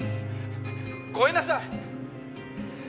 ごめんなさい！」